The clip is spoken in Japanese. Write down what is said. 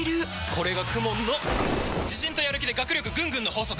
これがＫＵＭＯＮの自信とやる気で学力ぐんぐんの法則！